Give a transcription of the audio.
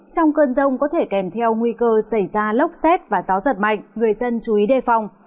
trong cơn rông có thể kèm theo nguy cơ xảy ra lốc xét và gió giật mạnh người dân chú ý đề phòng